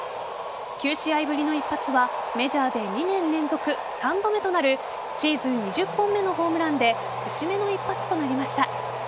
９試合ぶりの一発はメジャーで２年連続３度目となるシーズン２０本目のホームランで節目の１発となりました。